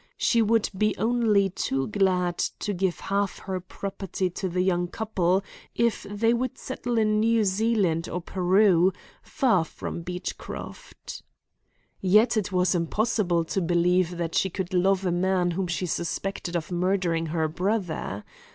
She would be only too glad to give half her property to the young couple if they would settle in New Zealand or Peru far from Beechcroft. Yet it was impossible to believe that she could love a man whom she suspected of murdering her brother.